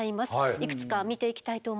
いくつか見ていきたいと思います。